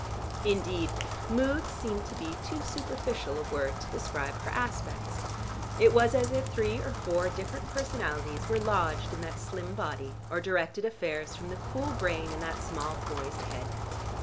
Indeed "moods" seemed to be too superficial a word to describe her aspects: it was as if three or four different personalities were lodged in that slim body or directed affairs from the cool brain in that small poised head.